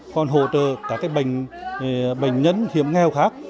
còn hỗ trợ cả cái bệnh nhân hiểm nghèo khác